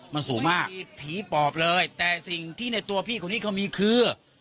มันสูงมากผีปอบเลยแต่สิ่งที่ในตัวพี่คนนี้เขามีคือ